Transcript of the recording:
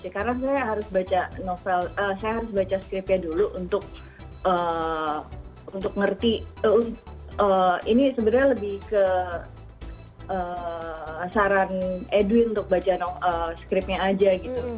karena saya harus baca novel saya harus baca skriptnya dulu untuk ngerti ini sebenarnya lebih ke saran edwin untuk baca scriptnya aja gitu